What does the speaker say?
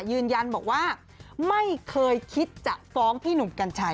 ยืนยันบอกว่าไม่เคยคิดจะฟ้องพี่หนุ่มกัญชัย